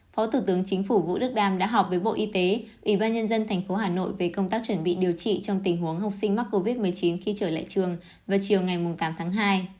phó thủ tướng chính phủ vũ đức đam đã họp với bộ y tế ủy ban nhân dân tp hà nội về công tác chuẩn bị điều trị trong tình huống học sinh mắc covid một mươi chín khi trở lại trường vào chiều ngày tám tháng hai